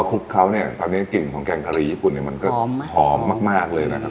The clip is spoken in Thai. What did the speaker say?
คลุกเขาเนี่ยตอนนี้กลิ่นของแกงกะหรี่ญี่ปุ่นเนี่ยมันก็หอมมากมากเลยนะครับ